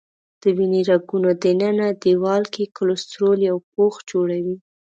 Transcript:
د وینې رګونو دننه دیوال کې کلسترول یو پوښ جوړوي.